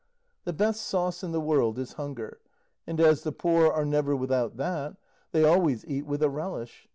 The best sauce in the world is hunger, and as the poor are never without that, they always eat with a relish.